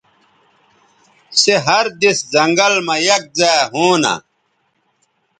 سے ہر دِس زنگل مہ یک زائے ہونہ